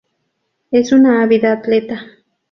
Es una ávida atleta.